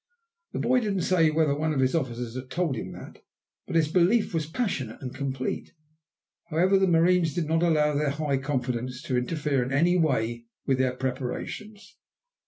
The boy didn't say whether one of his officers had told him that, but his belief was passionate and complete. However, the marines did not allow their high confidence to interfere in any way with their preparations.